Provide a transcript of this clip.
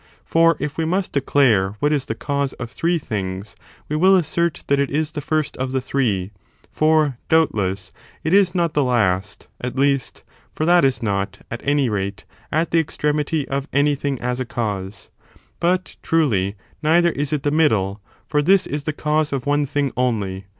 For if we must declare what is the cause of three things, we will assert that it is the first of the three; for, doubtless, it is not the last, at least, for that is not, at any rate, at the extremity of anything as a cause : but, truly, neither is it the middle, for this is the cause of one thing only.